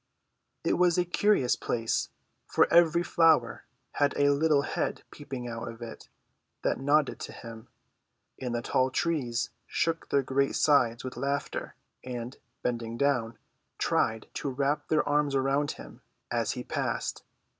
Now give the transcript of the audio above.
It was a curious place, for every flower had a little head peeping out of it that nodded to him, and the tall trees shook their great sides with laughter, and, bending down, tried to wrap their arms around him as he passed.